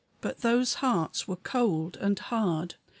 But those hearts were cold and hard.